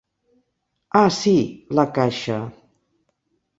Ah sí, la caixa...